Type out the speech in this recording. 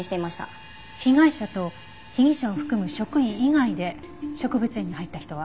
被害者と被疑者を含む職員以外で植物園に入った人は？